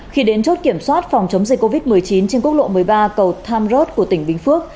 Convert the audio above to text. khi đến chốt kiểm soát phòng chống dịch covid một mươi chín trên quốc lộ một mươi ba cầu tham rốt của tỉnh bình phước